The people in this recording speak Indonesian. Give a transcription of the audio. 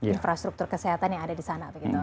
infrastruktur kesehatan yang ada di sana begitu